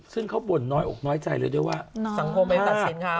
ซึ่งเขาบ่นน้อยอกน้อยใจเลยด้วยว่าสังคมไม่ได้ตัดสิน